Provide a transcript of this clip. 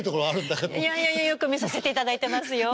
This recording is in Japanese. いやいやよく見させていただいてますよ。